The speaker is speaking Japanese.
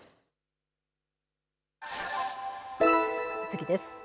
次です。